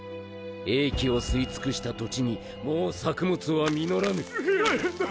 栄気を吸い尽くした土地にもう作物は実らぬ。